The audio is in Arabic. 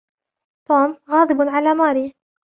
توم غاضب على مارى.